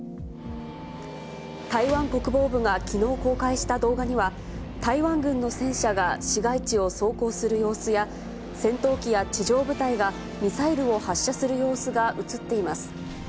台湾国防部がきのう公開した動画には、台湾軍の戦車が市街地を走行する様子や、戦闘機や地上部隊が、ミサイルを発射する様子が写っています。